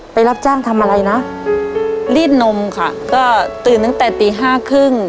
รับจ้างทำอะไรนะรีดนมค่ะก็ตื่นตั้งแต่ตีห้าครึ่ง